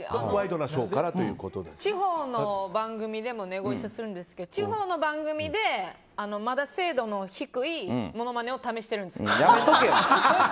地方の番組でもご一緒するんですけど地方の番組でまだ精度の低いものまねをやめとけよ！